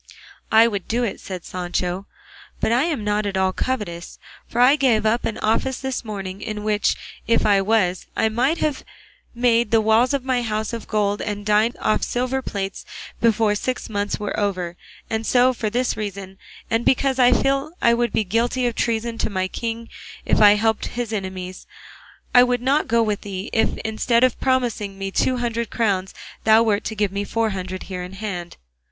"I would do it," said Sancho; "but I am not at all covetous, for I gave up an office this morning in which, if I was, I might have made the walls of my house of gold and dined off silver plates before six months were over; and so for this reason, and because I feel I would be guilty of treason to my king if I helped his enemies, I would not go with thee if instead of promising me two hundred crowns thou wert to give me four hundred here in hand."